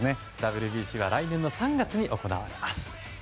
ＷＢＣは来年３月に行われます。